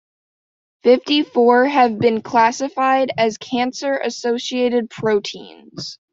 Fifty-four have been classified as cancer associated proteins.